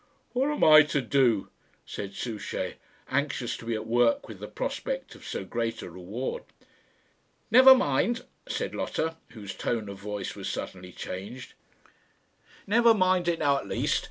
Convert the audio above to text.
"What am I to do?" said Souchey, anxious to be at work with the prospect of so great a reward. "Never mind," said Lotta, whose tone of voice was suddenly changed. "Never mind it now at least.